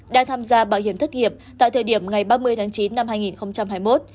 đang tham gia bảo hiểm thất nghiệp tại thời điểm ngày ba mươi tháng chín năm hai nghìn hai mươi một